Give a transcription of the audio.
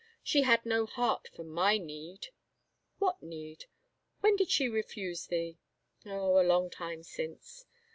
She had no heart for my need." " What need ?.., When did she refuse thee ?"" Oh, a long time since."